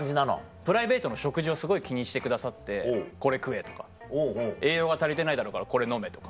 プライベートの食事をすごい気にしてくださって「これ食え」とか「栄養が足りてないだろうからこれ飲め」とか。